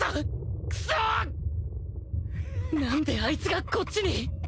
何であいつがこっちに。